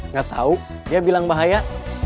nggak tahu dia bilang bahaya